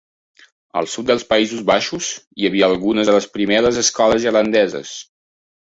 Al sud dels Països Baixos hi havia algunes de les primeres escoles irlandeses.